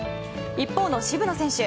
一方の渋野選手。